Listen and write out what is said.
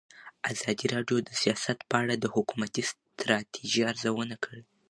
ازادي راډیو د سیاست په اړه د حکومتي ستراتیژۍ ارزونه کړې.